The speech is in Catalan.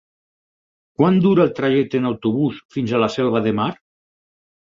Quant dura el trajecte en autobús fins a la Selva de Mar?